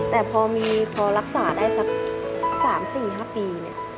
แต่พอมีพอรักษาได้ครับ๓๔๕ปีเนี่ย